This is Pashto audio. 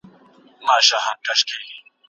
خاموشي د ده د بریا د رازونو امانت داره شوه.